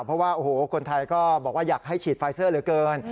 เพราะว่าโอ้โหคนไทยก็บอกว่าอยากให้ฉีดไฟเซอร์เหลือเกิน